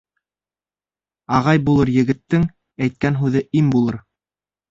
Ағай булыр егеттең, әйткән һүҙе им булыр